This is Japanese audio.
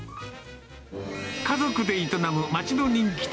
家族で営む町の人気店。